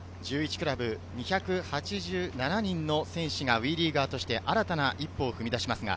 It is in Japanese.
クラブ、２８７人の選手がＷＥリーガーとして新たな一歩を踏み出します。